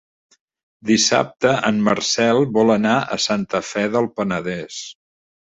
Dissabte en Marcel vol anar a Santa Fe del Penedès.